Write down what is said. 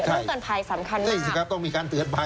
เรื่องกันภายสำคัญมาก